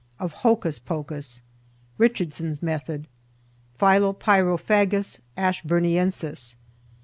OF HOCUS POCUS. RICHARDSON'S METHOD. PHILOPYRAPHAGUS ASHBURNIENSIS.